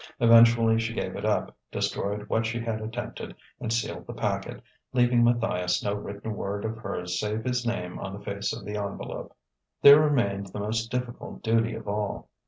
Eventually she gave it up: destroyed what she had attempted, and sealed the packet, leaving Matthias no written word of hers save his name on the face of the envelope. There remained the most difficult duty of all.